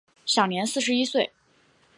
享年四十一岁。